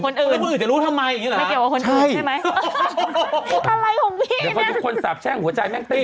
ไม่เกี่ยวกับคนอื่นใช่โอ้โหวิฒาภิกษ์ของพี่เนี่ยเดี๋ยวทุกคนสาบแช่งหัวใจแม่งเต้